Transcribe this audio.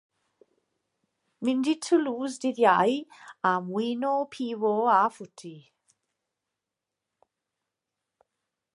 Mynd i Toulouse dydd Iau am wino, piwo a ffwti.